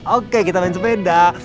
oke kita main sepeda